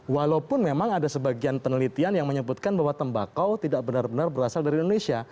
walaupun memang ada sebagian penelitian yang menyebutkan bahwa tembakau tidak benar benar berasal dari indonesia